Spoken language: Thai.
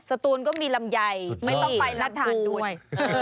สตูนก็มีลำไยที่นัดฐานด้วยไม่ต้องไปลำภูนย์